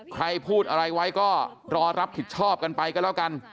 ใครพูดอะไรไว้ก็รอรับผิดชอบกันไปก็แล้วกัน